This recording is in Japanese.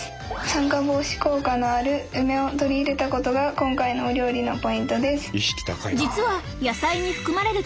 酸化防止効果のある梅を取り入れたことが今回のお料理のポイントです。